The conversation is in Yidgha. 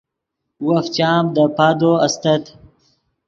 وف چام دے پادو استت